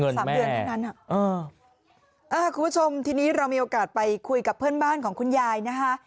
เงินแม่อ่ะคุณผู้ชมทีนี้เรามีโอกาสไปคุยกับเพื่อนบ้านของคุณยายนะฮะ